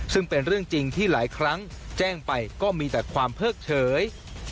ซึ่งเป็นเรื่องจริงที่หลายครั้งแจ้งไปก็มีแต่ความเพิกเฉย